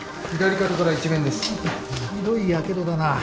ひどいやけどだな。